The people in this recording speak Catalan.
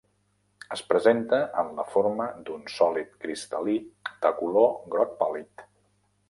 Es presenta en la forma d'un sòlid cristal·lí de color groc pàl·lid.